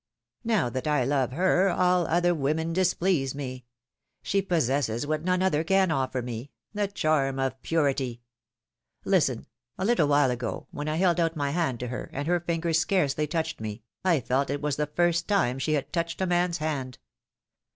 Now, that I love her, all other women displease me ! She pos sesses what none other can offer me — the charm of purity ! Listen : a little wdiile ago, when I held out my hand to her, and her fingers scarcely touched me, I felt it was the first time she had touched a man^s hand